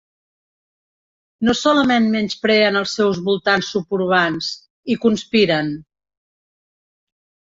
No solament menyspreen els seus voltants suburbans, hi conspiren.